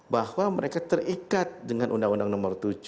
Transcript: bahwa mereka terikat dengan undang undang nomor tujuh